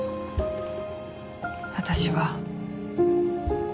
私は。